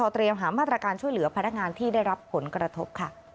เตรียมหามาตรการช่วยเหลือพนักงานที่ได้รับผลกระทบ